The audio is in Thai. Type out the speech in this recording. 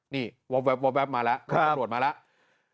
นี่แว๊บมาแล้วตำรวจมาแล้ว